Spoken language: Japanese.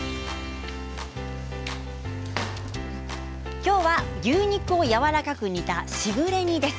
きょうは牛肉をやわらかく煮た、しぐれ煮です。